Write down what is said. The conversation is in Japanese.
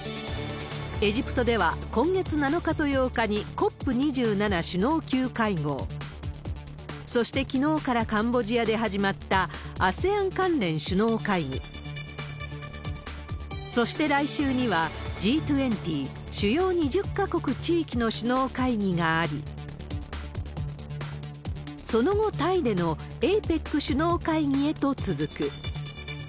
エジプトでは今月７日と８日にコップ２７首脳級会合、そしてきのうからカンボジアで始まった、ＡＳＥＡＮ関連首脳会議、そして来週にはＧ２０・主要２０か国・地域の首脳会議があり、その後、タイでのＡＰＥＣ首脳会議へと続く。